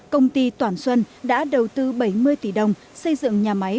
công ty toàn xuân đã đầu tư bảy mươi tỷ đồng xây dựng nhà máy